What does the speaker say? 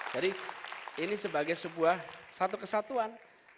ini sebagai sebuah satu kesatuan